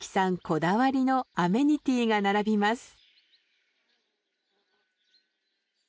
こだわりのアメニティーが並びます。